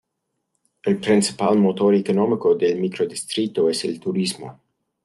El principal motor económico del microdistrito es el turismo.